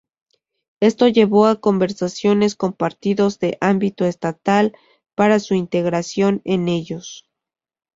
Esto llevó a conversaciones con partidos de ámbito estatal para su integración en ellos.